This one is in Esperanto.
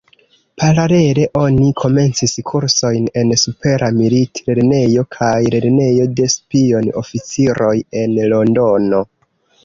Paralele oni komencis kursojn en Supera Milit-Lernejo kaj Lernejo de Spion-Oficiroj en Londono.